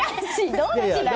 どっちだよ！